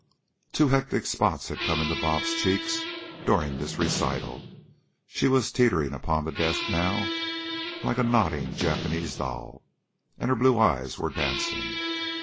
'" Two hectic spots had come into "Bob's" cheeks during this recital; she was teetering upon the desk now like a nodding Japanese doll, and her blue eyes were dancing.